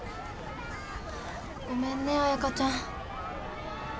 ごめんね彩香ちゃん。